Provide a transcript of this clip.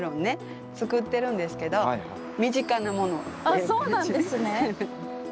ああそうなんですね。